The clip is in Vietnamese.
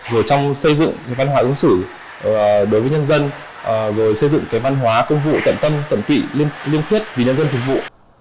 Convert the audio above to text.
rồi trong xây dựng văn hóa ứng xử đối với nhân dân rồi xây dựng cái văn hóa công vụ tận tâm tận tụy liêm khiết vì nhân dân phục vụ